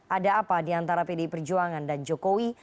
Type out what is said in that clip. ada apa di antara pdi perjuangan dan jokowi